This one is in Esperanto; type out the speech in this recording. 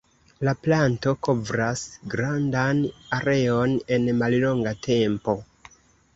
La planto kovras grandan areon en mallonga tempo.